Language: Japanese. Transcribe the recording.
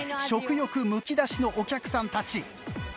食欲むき出しのお客さんたち。